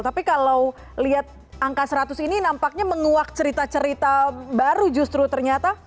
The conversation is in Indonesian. tapi kalau lihat angka seratus ini nampaknya menguak cerita cerita baru justru ternyata